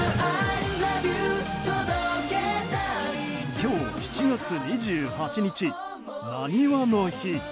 今日７月２８日なにわの日。